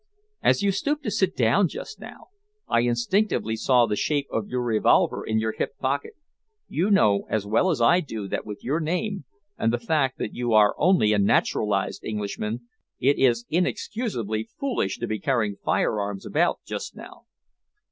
"As you stooped to sit down just now, I distinctly saw the shape of your revolver in your hip pocket. You know as well as I do that with your name and the fact that you are only a naturalised Englishman, it is inexcusably foolish to be carrying firearms about just now."